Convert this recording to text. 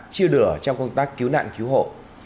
chia đửa trong công tác cứu nạn cứu hộ